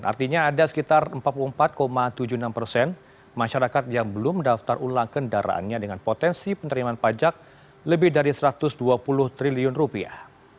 artinya ada sekitar empat puluh empat tujuh puluh enam persen masyarakat yang belum mendaftar ulang kendaraannya dengan potensi penerimaan pajak lebih dari satu ratus dua puluh triliun rupiah